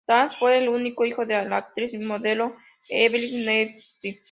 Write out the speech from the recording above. Thaw fue el único hijo de la actriz y modelo Evelyn Nesbit.